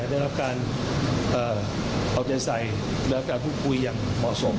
ได้รับการเอาใจใส่และการพูดคุยอย่างเหมาะสม